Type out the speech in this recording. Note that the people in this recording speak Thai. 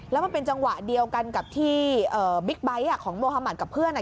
แล้วมันเป็นจังหวะเดียวกันกับที่บิ๊กไบท์ของโมฮามัติกับเพื่อน